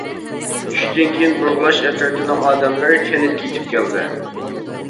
چۈشتىن كېيىن بۇرغىلاش ئەترىتىنىڭ ئادەملىرى كەنتكە يېتىپ كەلدى.